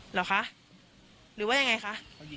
หรอคะหรือว่าอย่างไรคะ